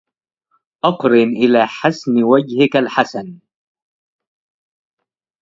أقرِن إلى حسنِ وجهك الحسنِ